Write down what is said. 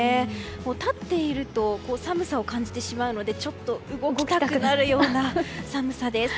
立っていると寒さを感じてしまうのでちょっと動きたくなるような寒さです。